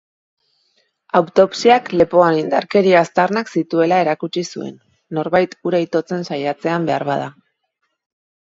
Autopsiak lepoan indarkeria aztarnak zituela erakutsi zuen, norbait hura itotzen saiatzean beharbada.